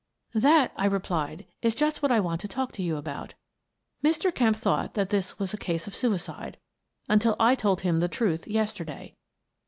"" That," I replied, " is just what I want to talk to you about. Mr. Kemp thought that this was a case of suicide, until I told him the truth yesterday.